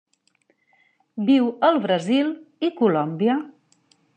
Viu al Brasil i Colòmbia.